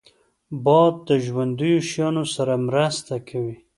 باد د ژوندیو شیانو سره مرسته کوي